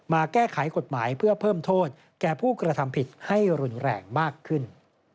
แก้ไขกฎหมายเพื่อเพิ่มโทษแก่ผู้กระทำผิดให้รุนแรงมากขึ้น